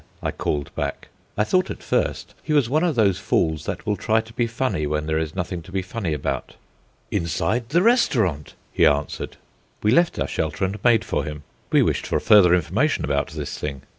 I called back. I thought at first he was one of those fools that will try to be funny when there is nothing to be funny about. "Inside the restaurant," he answered. We left our shelter and made for him. We wished for further information about this thing.